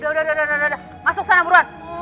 eh udah udah udah masuk sana buruan